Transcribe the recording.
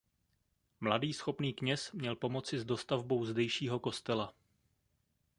Mladý schopný kněz měl pomoci s dostavbou zdejšího kostela.